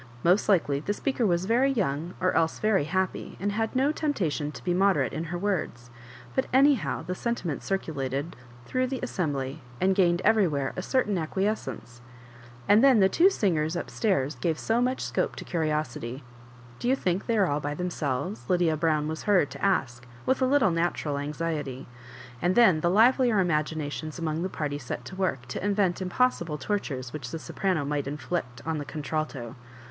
Most likely the speaker was very young, or else very happy, and had no tempta tion to be moderate in her words ; but anyhow the sentiment circulated through the assembly^ and gained everywhere a certain acquiescence. And then the two singers up stairs gave so much scope to curiosity. Do you think they are all by themselves?" Lydia Brown was heard to ask, with a little natural anxiety ; and then the hvelier imaginations among the party set to work to invent impossible tortures which the soprano might inflict on the contralto.